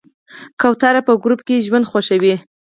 کوتره په ګروپ ژوند خوښوي.